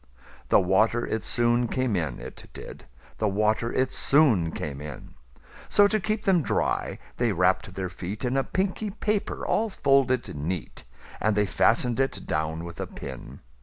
The water it soon came in, it did; The water it soon came in:So, to keep them dry, they wrapp'd their feetIn a pinky paper all folded neat:And they fasten'd it down with a pin.